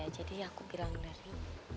jadi aku bilang dari